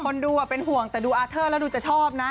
ดูเป็นห่วงแต่ดูอาเทอร์แล้วดูจะชอบนะ